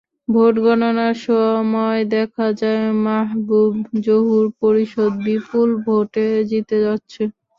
Vote গণনার সময় দেখা যায়, মাহবুব-জহুর পরিষদ বিপুল ভোটে জিতে যাচ্ছে।